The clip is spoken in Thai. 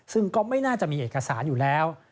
ซึ่งก็ไม่น่าจะมีเอกสารอยู่แล้ว